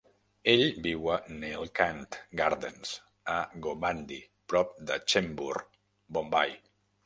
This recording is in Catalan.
Ell viu a Neelkanth Gardens a Govandi, prop de Chembur, Bombai.